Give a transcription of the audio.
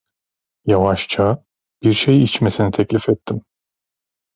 Yavaşça, bir şey içmesini teklif ettim.